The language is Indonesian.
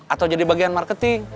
atau jadi bagian marketing